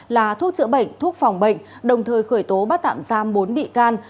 là thuốc chữa bệnh thuốc phòng bệnh đồng thời khởi tố bắt tạm giam bốn bị can